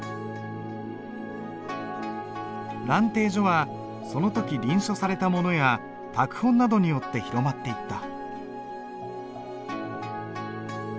「蘭亭序」はその時臨書されたものや拓本などによって広まっていった。